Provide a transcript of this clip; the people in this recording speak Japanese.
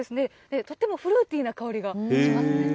とてもフルーティーな香りがしますね。